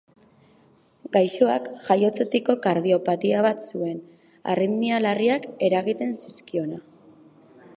Gaixoak jaiotzetiko kardiopatia bat zuen, arritmia larriak eragiten zizkiona.